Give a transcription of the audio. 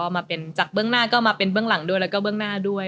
มาเป็นจากเบื้องหน้าก็มาเป็นเบื้องหลังด้วยแล้วก็เบื้องหน้าด้วย